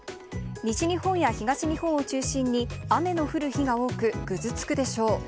西日本や東日本を中心に雨の降る日が多く、ぐずつくでしょう。